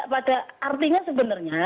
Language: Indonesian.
pada artinya sebenarnya